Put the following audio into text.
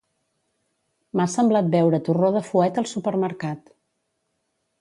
M'ha semblat veure torró de fuet al supermercat.